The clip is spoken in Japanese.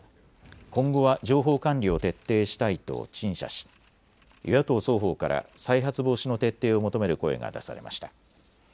今後は情報管理を徹底したいと陳謝し与野党双方から再発防止の徹底を求める声が出されました。